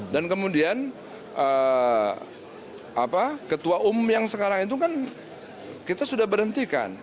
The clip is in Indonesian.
dan kemudian ketua umum yang sekarang itu kan kita sudah berhentikan